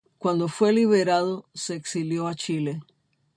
Cuando fue liberado se exilió a Chile.